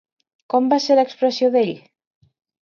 Com va ser l'expressió d'ell?